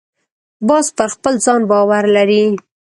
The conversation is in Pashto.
باز پر خپل ځان باور لري